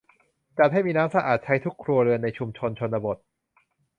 จัดให้มีน้ำสะอาดใช้ทุกครัวเรือนในชุมชนชนบท